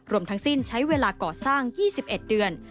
ทั้งสิ้นใช้เวลาก่อสร้าง๒๑เดือน